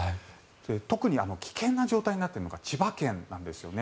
特に危険な状態になっているのが千葉県なんですよね。